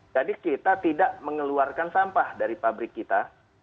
jadi kita tidak mengeluarkan sampah dari pabrik kita